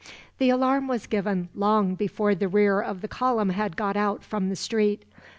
The alarm was given long before the rear of the column had got out from the street.